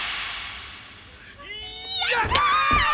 やった！